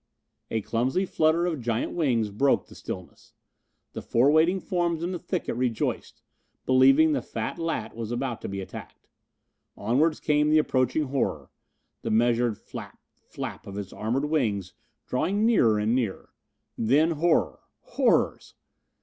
A clumsy flutter of giant wings broke the stillness. The four waiting forms in the thicket rejoiced, believing the fat lat was about to be attacked. Onward came the approaching horror. The measured flap, flap of its armored wings drawing nearer and nearer. Then, horror horrors!